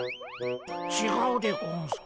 ちがうでゴンスか。